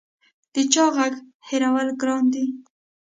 د چا غږ هېرول ګران وي